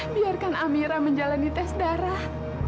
biarkan amira menjalani tes darah